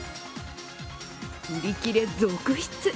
売り切れ続出。